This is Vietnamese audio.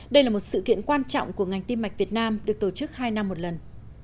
đây là một sự kiện quan trọng của ngành tiêm mạch việt nam được tổ chức hai năm một lần